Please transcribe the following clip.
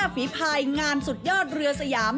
ฝีภายงานสุดยอดเรือสยาม